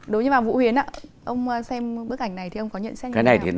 đối với vũ huyến ạ ông xem bức ảnh này thì ông có nhận xét như thế nào